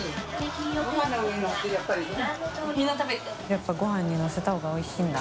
やっぱごはんに乗せた方がおいしいんだ。